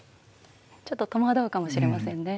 ちょっと戸惑うかもしれませんね。